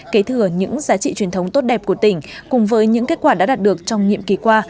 kế thừa những giá trị truyền thống tốt đẹp của tỉnh cùng với những kết quả đã đạt được trong nhiệm kỳ qua